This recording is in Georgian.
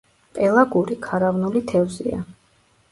პელაგური, ქარავნული თევზია.